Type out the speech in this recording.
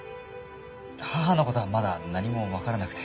母のことはまだ何も分からなくて。